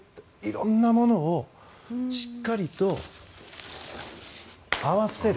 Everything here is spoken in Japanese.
色んなものをしっかりと合わせる。